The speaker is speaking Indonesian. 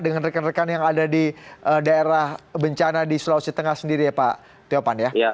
dengan rekan rekan yang ada di daerah bencana di sulawesi tengah sendiri ya pak tiopan ya